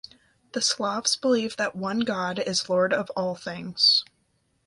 The Slavs believe that one god is lord of all things.